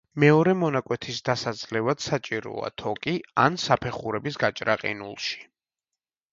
მეორე მონაკვეთის დასაძლევად საჭიროა თოკი ან საფეხურების გაჭრა ყინულში.